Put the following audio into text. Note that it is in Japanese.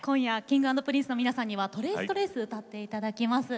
Ｋｉｎｇ＆Ｐｒｉｎｃｅの皆さんには「ＴｒａｃｅＴｒａｃｅ」を歌っていただきます。